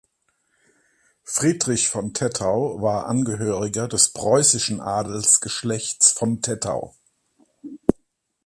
Friedrich von Tettau war Angehöriger des preußischen Adelsgeschlechts von Tettau.